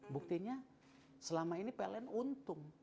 buktinya selama ini pln untung